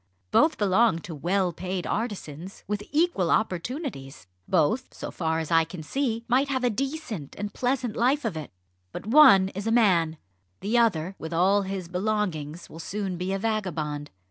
Both belong to well paid artisans with equal opportunities. Both, so far as I can see, might have a decent and pleasant life of it. But one is a man the other, with all his belongings, will soon be a vagabond.